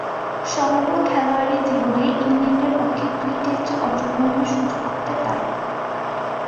সমগ্র খেলোয়াড়ী জীবনে ইংল্যান্ডের পক্ষে দুই টেস্টে অংশগ্রহণের সুযোগ ঘটে তার।